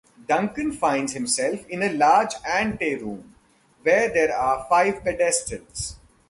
Duncan finds himself in a large anteroom, where there are five pedestals.